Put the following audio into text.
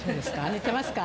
似てますか？